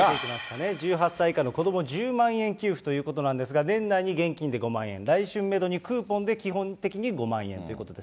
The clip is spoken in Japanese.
１８歳以下の子ども１０万円給付ということなんですが、年内に現金で５万円、来春メドに、クーポンで基本的に５万円ということです。